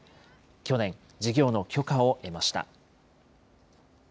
去年、事業の許可を得ました。